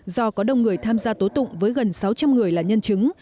do có đông người tham gia tố tụng với gần sáu trăm linh người là nhân chứng